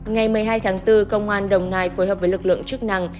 ngày một mươi hai tháng bốn công an đồng nai phối hợp với lực lượng chức năng